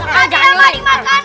masih apa dimakanan